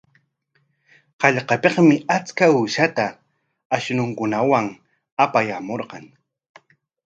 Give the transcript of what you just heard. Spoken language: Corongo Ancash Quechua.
Hallqapikmi achka uqshata ashnunkunawan apayaamurqan.